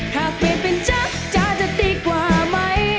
ถ้าเป็นเป็นจ๊ะจะดีกว่าไหม